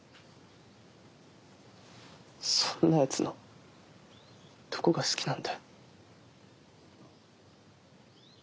そんなやつのどこが好きなんだよ。